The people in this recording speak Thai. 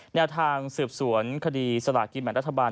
แนวทางสืบสวนคดีสลากินแบ่งรัฐบาล